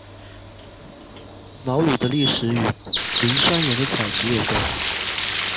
瑙鲁的历史和磷酸盐的采集有关。